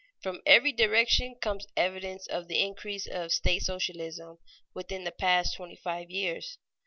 From every direction comes evidence of the increase of state socialism within the past twenty five years.